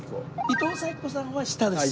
伊藤咲子さんは下です。